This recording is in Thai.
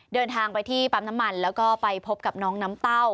เดินทางไปที่ปั๊มน้ำมันแล้วก็ไปพบกับน้องน้ำเต้า